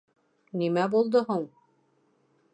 Нимә булды һуң?